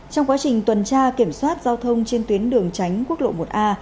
trong quá trình tuần tra kiểm soát giao thông trên tuyến đường tránh quốc lộ một a